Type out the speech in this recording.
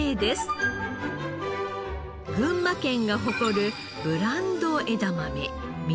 群馬県が誇るブランド枝豆味